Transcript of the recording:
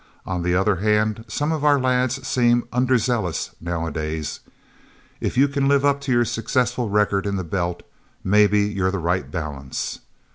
On the other hand, some of our lads seem underzealous, nowadays... If you can live up to your successful record in the Belt, maybe you're the right balance.